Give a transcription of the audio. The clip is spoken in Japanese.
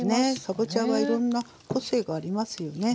かぼちゃはいろんな個性がありますよね。